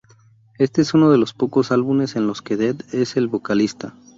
Este es uno de los pocos álbumes en los que Dead es el vocalista.